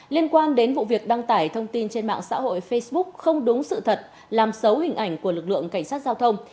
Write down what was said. liên quan đến vụ việc đăng tải thông tin trên mạng xã hội facebook không đúng sự thật làm xấu hình ảnh của lực lượng cảnh sát giao thông